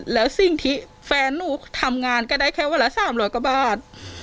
แล้วสิ่งที่แฟนหนูทำงานก็ได้แค่วันละ๓๐๐กว่าบาท